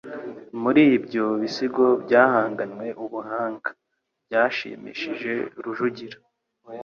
Muri ibyo bisigo byahanganywe ubuhanga, byashimishije Rujugira